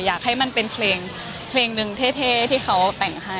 อยากให้มันเป็นเพลงหนึ่งเท่ที่เขาแต่งให้